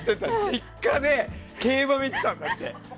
実家で競馬、見てたんだって。